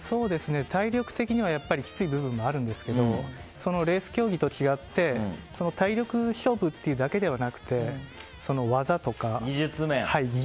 体力的にはきつい部分があるんですけどレース競技と違って体力勝負というだけではなくて技とか技術面。